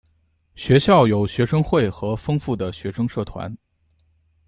学校有学生会和丰富的学生社团。